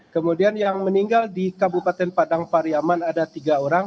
kemudian yang meninggal di kabupaten padang pariaman ada tiga orang